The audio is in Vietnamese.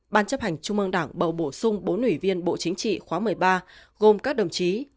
ban chấp hành trung mương đảng bầu bổ sung bốn ủy viên bộ chính trị khóa một mươi ba gồm các đồng chí